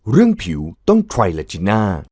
ร่วมผิวต้องทรายลาจินา